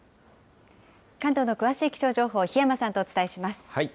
関東の詳しい気象情報、檜山さんとお伝えします。